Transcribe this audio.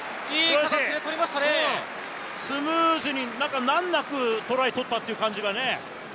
スムーズに難なくトライを取ったっていう感じがね。